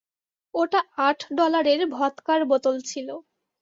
ওটা আট ডলারের ভদকার বোতল ছিল!